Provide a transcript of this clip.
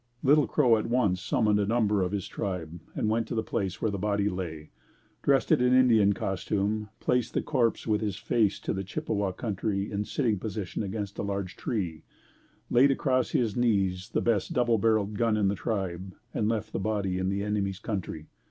Little Crow at once summoned a number of his tribe and went to the place where the body lay, dressed it in Indian costume, placed the corpse with his face to the Chippewa country in sitting position against a large tree; laid across his knees the best double barreled gun in the tribe and left the body in the enemies' country.